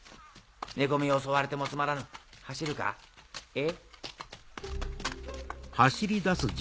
寝込みを襲われてもつまらぬ走るかえ？